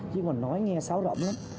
chứ mà nói nghe xáo rộng lắm